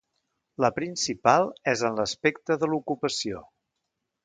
La principal és en l’aspecte de l’ocupació.